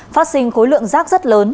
phát sinh khối lượng rác rất lớn